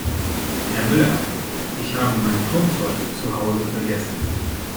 Herr Müller, ich habe mein Turnzeug zu Hause vergessen.